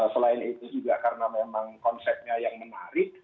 selain itu juga karena memang konsepnya yang menarik